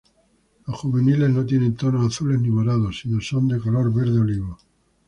Los juveniles no tienen tonos azules ni morados, sino son de color verde olivo.